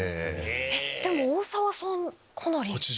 でも大沢さんかなり。